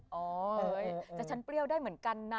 จะฉันเปรี้ยวได้เหมือนกันนะ